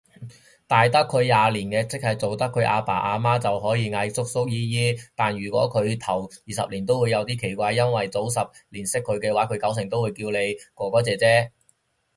大得佢廿年嘅，即係做得佢阿爸阿媽，就可以嗌叔叔姨姨，但如果佢都二十頭會有啲奇怪，因為你早十年識佢嘅話佢九成會叫你哥哥姐姐